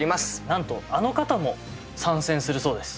なんとあの方も参戦するそうです。